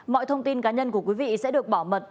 mọi thông tin cá nhân của quý vị sẽ được bảo mật